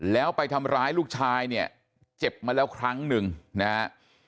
แล้วไปทำร้ายลูกชายเนี่ยเจ็บมาแล้วครั้งหนึ่งนะฮะ